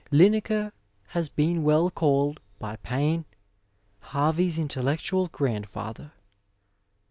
Linacre has been weU called, by Payne, Harvey's intellectual grand father.